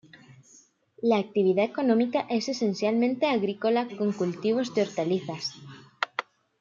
La actividad económica es esencialmente agrícola, con los cultivos de hortalizas.